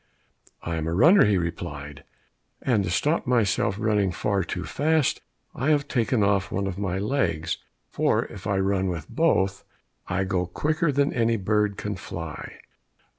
"I am a runner," he replied, "and to stop myself running far too fast, I have taken off one of my legs, for if I run with both, I go quicker than any bird can fly."